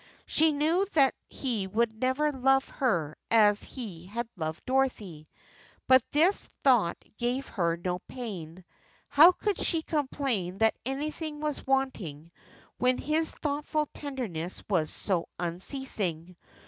She knew that he would never love her as he had loved Dorothy, but this thought gave her no pain. How could she complain that anything was wanting when his thoughtful tenderness was so unceasing?